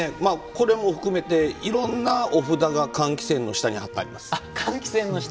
これも含めていろんなお札が換気扇の下に換気扇の下？